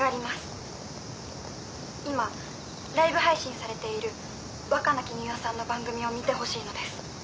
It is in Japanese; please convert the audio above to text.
今ライブ配信されている若菜絹代さんの番組を見てほしいのです。